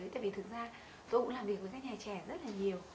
tại vì thực ra tôi cũng làm việc với các nhà trẻ rất là nhiều